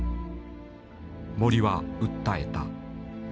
森は訴えた。